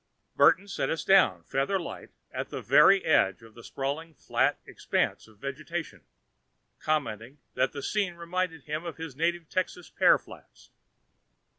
Burton set us down feather light at the very edge of the sprawling flat expanse of vegetation, commenting that the scene reminded him of his native Texas pear flats.